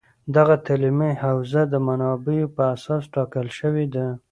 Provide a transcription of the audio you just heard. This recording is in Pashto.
دغه تعلیمي حوزه د منابعو په اساس ټاکل شوې ده